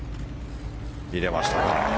入れました。